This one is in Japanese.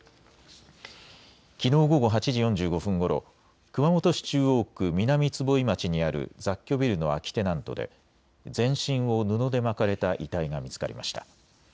きのう午後８時４５分ごろ、熊本市中央区南坪井町にある雑居ビルの空きテナントで全身を布で巻かれた遺体が見つかりました。